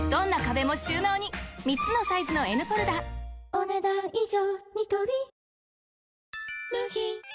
お、ねだん以上。